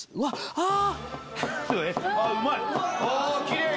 ああ。